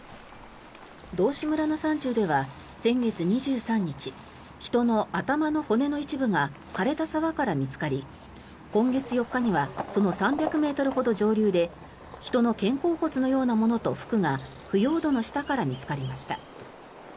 道志村の山中では、先月２３日人の頭の骨の一部が枯れた沢から見つかり今月４日にはその３００ｍほど上流で人の肩甲骨のようなものと服が腐葉土の下から見つかりました。